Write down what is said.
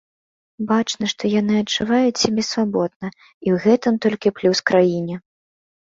Бачна, што яны адчуваюць сябе свабодна, і ў гэтым толькі плюс краіне.